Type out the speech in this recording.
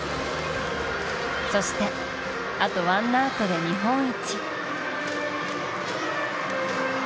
そしてあとワンアウトで日本一。